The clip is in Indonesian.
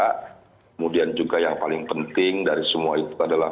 kemudian juga yang paling penting dari semua itu adalah